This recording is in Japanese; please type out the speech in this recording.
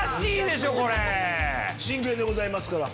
真剣でございますから。